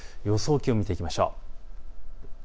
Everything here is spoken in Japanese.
気温を見ていきましょう。